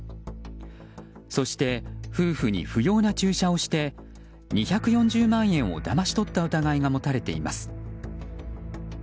そして夫婦に不要な注射をして２４０万円をだまし取った疑いが持たれています。